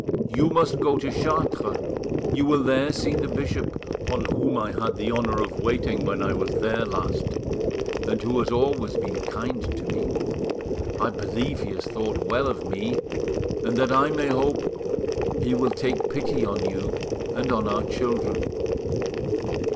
You must go to Chartres, you will there see the bishop, on whom I had the honour of waiting when I was there last, and who has always been kind to me; I believe he has thought well of me, and that I may hope he will take pity on you and on our children."